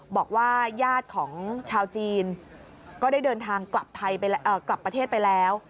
บอกว่าญาติของชาวจีนก็ได้เดินทางกลับไทยกลับประเทศไปแล้ว